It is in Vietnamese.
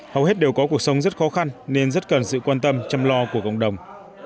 hầu hết đều có cuộc sống rất khó khăn nên rất cần sự quan tâm chăm lo của cộng đồng